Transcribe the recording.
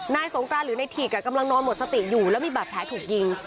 สงกรานหรือในถีกกำลังนอนหมดสติอยู่แล้วมีบาดแผลถูกยิง